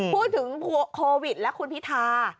พูดถึงโควิดและคุณพิธา